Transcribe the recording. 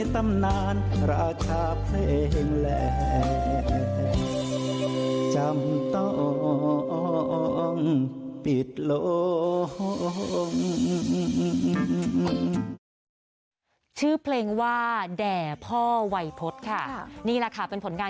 ตอนกันค่ะ